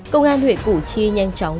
công an huyện cụ chi nhanh chóng